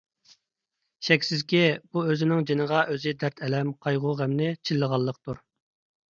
شەكسىزكى، بۇ ئۆزىنىڭ جېنىغا ئۆزى دەرد - ئەلەم، قايغۇ - غەمنى چىللىغانلىقتۇر.